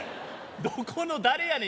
どこの誰やねん！